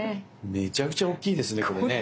めちゃくちゃ大きいですねこれね。